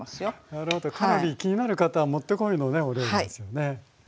なるほどカロリー気になる方持ってこいのねお料理ですよね。